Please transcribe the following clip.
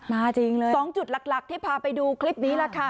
จริงเลย๒จุดหลักที่พาไปดูคลิปนี้แหละค่ะ